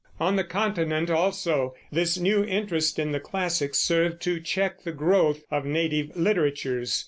On the Continent, also, this new interest in the classics served to check the growth of native literatures.